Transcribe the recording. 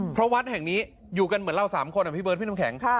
เพราะวัดแห่งนี้อยู่กันเหมือนเรา๓คนอ่ะพี่เบิร์ดพี่น้ำแข็ง